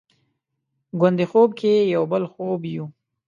ګوندې خوب کې یو بل خوب یو؟